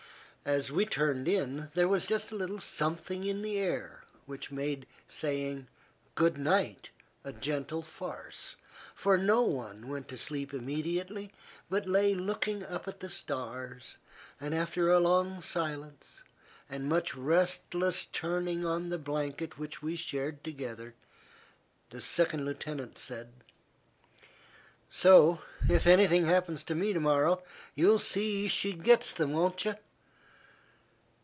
As we turned in, there was just a little something in the air which made saying "good night" a gentle farce, for no one went to sleep immediately, but lay looking up at the stars, and after a long silence, and much restless turning on the blanket which we shared together, the second lieutenant said: "So, if anything happens to me, to morrow, you'll see she gets them, won't you?"